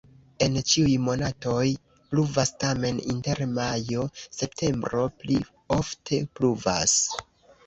En ĉiuj monatoj pluvas, tamen inter majo-septempbro pli ofte pluvas.